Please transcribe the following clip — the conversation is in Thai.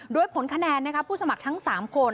โดยผลคะแนนผู้สมัครทั้ง๓คน